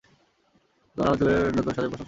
আমরা তোমার চুলের নতুন সাজের প্রশংসা করছিলাম।